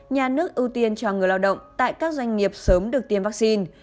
nhà nước ưu tiên cho người lao động tại các doanh nghiệp sớm được tiêm vaccine